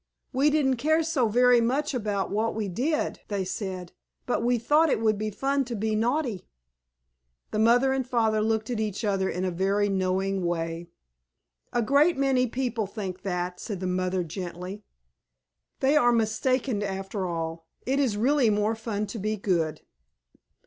"We didn't care so very much about what we did," they said, "but we thought it would be fun to be naughty." The father and mother looked at each other in a very knowing way. "A great many people think that," said the mother gently. "They are mistaken after all. It is really more fun to be good."